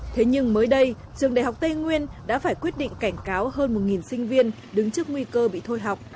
thế nhưng mới đây trường đại học tây nguyên đã phải quyết định cảnh cáo hơn một sinh viên đứng trước nguy cơ bị thôi học